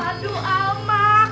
aduh om mak